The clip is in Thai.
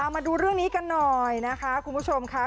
มาดูเรื่องนี้กันหน่อยนะคะคุณผู้ชมค่ะ